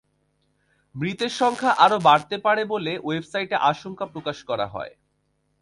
মৃতের সংখ্যা আরও বাড়তে পারে বলে ওয়েবসাইটে আশঙ্কা প্রকাশ করা হয়।